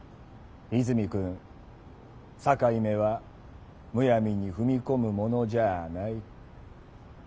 泉くん「境目」はむやみに踏み込むものじゃあない。